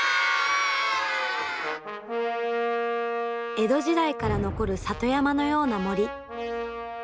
江戸時代から残る里山のような森。